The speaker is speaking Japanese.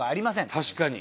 確かに。